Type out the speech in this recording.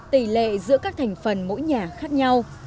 tỷ lệ giữa các thành phần mỗi nhà khác nhau